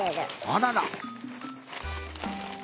あらら。